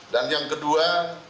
dan yang kedua